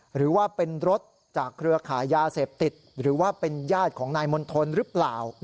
หรือว่าเป็นรถจากเครือขายยาเสพติดหรือว่าเป็นญาติของนายมณฑลหรือเปล่า